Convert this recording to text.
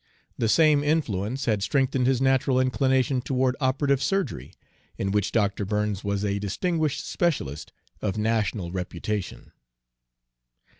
The same influence had strengthened his natural inclination toward operative surgery, in which Dr. Burns was a distinguished specialist of national reputation.